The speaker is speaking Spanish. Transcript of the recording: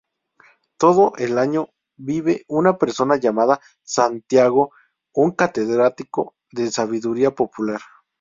Todo el año vive una persona llamada Santiago, un catedrático de "sabiduría popular.